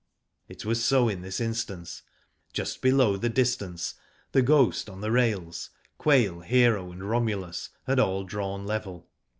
It was so in this instance. Just below the dis tance The Ghost, on the rails. Quail, Hero, and Romulus, had all drawn level.